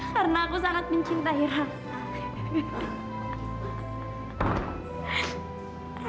karena aku sangat mencintai raka